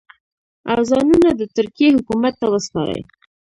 او ځانونه د ترکیې حکومت ته وسپاري.